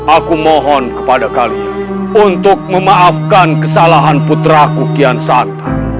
aku mohon kepada kalian untuk memaafkan kesalahan putra kukian santang